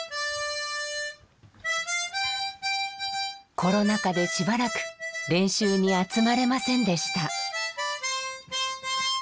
コロナ禍でしばらく練習に集まれませんでした。